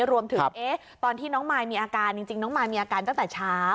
รวมถึงตอนที่น้องมายมีอาการจริงน้องมายมีอาการตั้งแต่เช้า